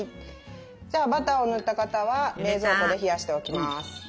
じゃあバターを塗った型は冷蔵庫で冷やしておきます。